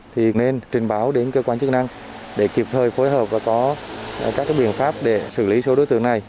thì nên trình báo đến cơ quan chức năng để kịp thời phối hợp và có các biện pháp để xử lý số đối tượng này